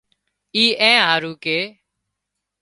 اي اين هارو ڪي